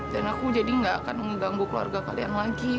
dan aku jadi nggak akan mengganggu keluarga kalian lagi